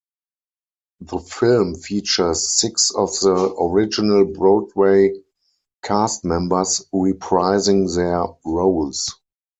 The film features six of the original Broadway cast members reprising their roles.